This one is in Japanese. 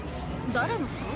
・誰のこと？